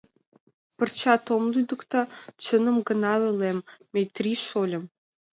— Пырчат ом лӱдыктӧ, чыным гына ойлем, Метрий шольым.